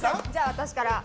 私から。